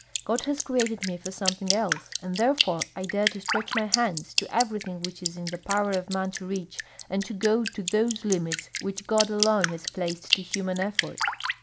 God has created me for something else, and therefore I dare to stretch my hands to everything which it is in the power of man to reach, and to go to those limits which God alone has placed to human effort."